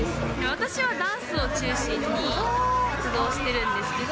私はダンスを中心に活動してるんですけど。